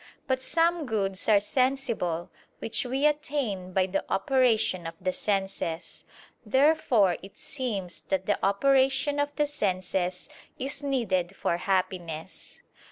But some goods are sensible, which we attain by the operation of the senses. Therefore it seems that the operation of the senses is needed for happiness.